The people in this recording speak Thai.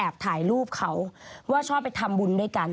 ถ่ายรูปเขาว่าชอบไปทำบุญด้วยกัน